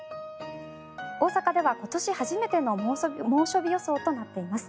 大阪では今年初めての猛暑日予想となっています。